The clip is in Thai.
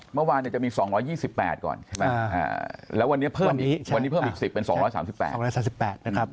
เมื่อวานจะมี๒๒๘ก่อนใช่ไหมแล้ววันนี้เพิ่มอีก๑๐เป็น๒๓๘